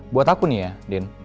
buat aku nih ya din